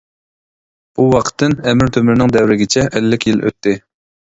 بۇ ۋاقىتتىن ئەمىر تۆمۈرنىڭ دەۋرىگىچە ئەللىك يىل ئۆتتى.